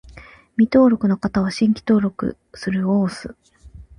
未登録の方は、「新規登録する」を押す